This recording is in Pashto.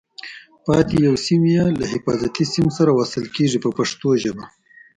پاتې یو سیم یې له حفاظتي سیم سره وصل کېږي په پښتو ژبه.